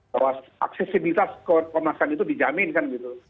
bahwa aksesibilitas kemasan itu dijamin kan gitu